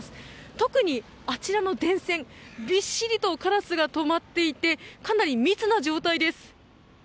特にあちらの電線びっしりとカラスが止まっていてかなり密な状態です。